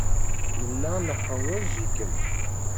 Nella neḥwaj-ikem.